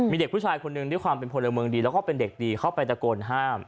มีเด็กผู้ชายคนหนึ่งด้วยความเป็นพลเมืองดีแล้วก็เป็นเด็กดีเข้าไปตะโกนห้าม